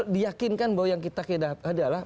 diakinkan bahwa yang kita kira adalah petah